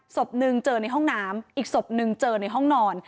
สบนึงเจอในห้องน้ำอีกสบนึงเจอในห้องนอน